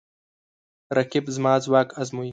رقیب زما ځواک ازموي